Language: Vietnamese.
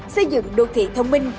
xây dựng đô thị thông minh